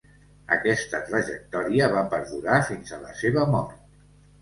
Aquesta trajectòria va perdurar fins a la seva mort.